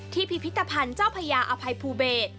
พิพิธภัณฑ์เจ้าพญาอภัยภูเบศ